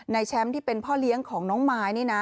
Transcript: แชมป์ที่เป็นพ่อเลี้ยงของน้องมายนี่นะ